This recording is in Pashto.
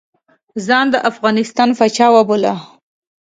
ځان د افغانستان پاچا وباله.